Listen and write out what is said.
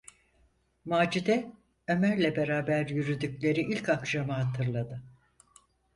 Macide Ömer’le beraber yürüdükleri ilk akşamı hatırladı.